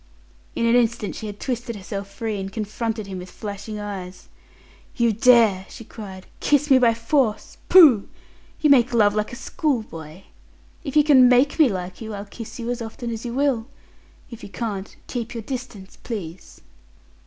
In an instant she had twisted herself free, and confronted him with flashing eyes. "You dare!" she cried. "Kiss me by force! Pooh! you make love like a schoolboy. If you can make me like you, I'll kiss you as often as you will. If you can't, keep your distance, please."